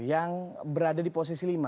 yang berada di posisi lima